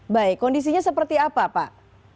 baik kondisinya seperti apa pak